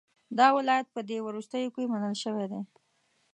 دا ولایت په دې وروستیو کې منل شوی دی.